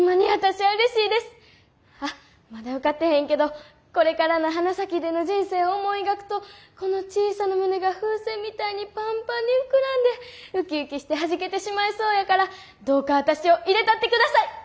あっまだ受かってへんけどこれからの花咲での人生を思い描くとこの小さな胸が風船みたいにパンパンに膨らんでウキウキしてはじけてしまいそうやからどうか私を入れたってください。